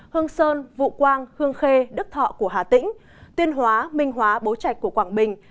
hương sơn vũ quang hương khê đức thọ của hà tĩnh tuyên hóa minh hóa bố trạch của quảng bình